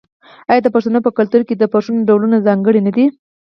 آیا د پښتنو په کلتور کې د فرشونو ډولونه ځانګړي نه دي؟